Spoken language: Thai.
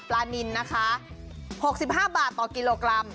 นินนะคะ๖๕บาทต่อกิโลกรัม